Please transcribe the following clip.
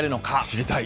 知りたい。